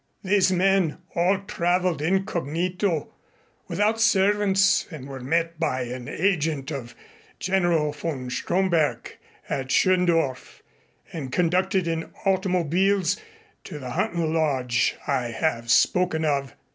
"These men all traveled incognito, without servants, and were met by an agent of General von Stromberg at Schöndorf and conducted in automobiles to the huntin' lodge I have spoken of.